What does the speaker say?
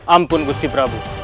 ampun gusti prabu